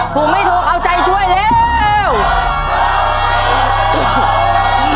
ผมไม่โทรเอาใจช่วยแล้ว